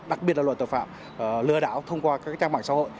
đặc biệt là loại tội phạm lừa đảo thông qua các trang mạng xã hội